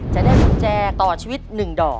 จะได้กุญแจต่อชีวิต๑ดอก